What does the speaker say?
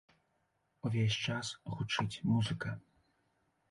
Увесь час гучыць музыка.